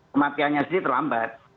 kematiannya jadi terlambat